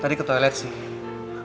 tadi ke toilet sih